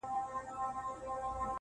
له سنگر څخه سنگر ته خوځېدلی-